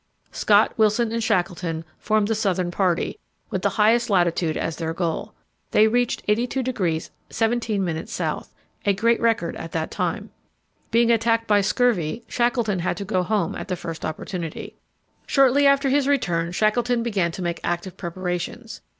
Scott, Wilson, and Shackleton, formed the southern party, with the highest latitude as their goal. They reached 82° 17' S. a great record at that time. Being attacked by scurvy, Shackleton had to go home at the first opportunity. Shortly after his return Shackleton began to make active preparations.